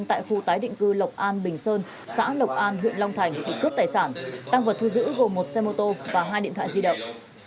tại khu tái định cư lộc an bình sơn xã lộc an huyện long thành để cướp tài sản tăng vật thu giữ gồm một xe mô tô và hai điện thoại di động